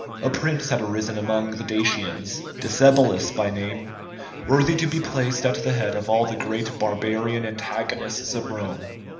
A prince had arisen among the Dacians, Decebalus by name, worthy to be placed at the head of all the great barbarian antagonists of Rome.